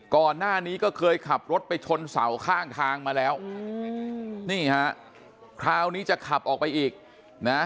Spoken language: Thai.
ก่อนหน้านี้ก็เคยขับรถไปชนเสาข้างทางมาแล้วนี่ฮะคราวนี้จะขับออกไปอีกนะ